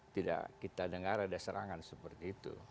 tidak kita dengar ada serangan seperti itu